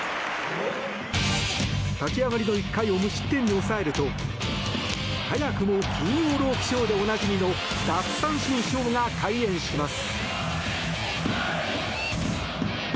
立ち上がりの１回を無失点に抑えると早くも金曜ロウキショーでおなじみの奪三振ショーが開演します。